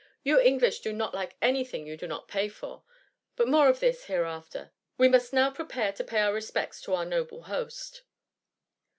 You English do not like any thing you do not pay for; but more of this hereafter. We must now prepare to pay our respects to our noble host.'